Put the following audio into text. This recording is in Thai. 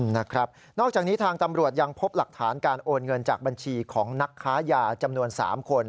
นอกจากนี้ทางตำรวจยังพบหลักฐานการโอนเงินจากบัญชีของนักค้ายาจำนวน๓คน